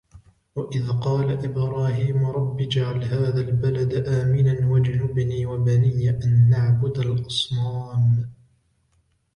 وَإِذْ قَالَ إِبْرَاهِيمُ رَبِّ اجْعَلْ هَذَا الْبَلَدَ آمِنًا وَاجْنُبْنِي وَبَنِيَّ أَنْ نَعْبُدَ الْأَصْنَامَ